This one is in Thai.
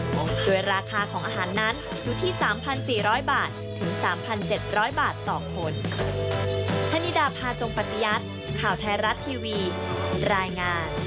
โดยราคาของอาหารนั้นอยู่ที่๓๔๐๐บาทถึง๓๗๐๐บาทต่อคน